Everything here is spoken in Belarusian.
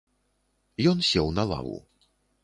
Ён сеў на лаву.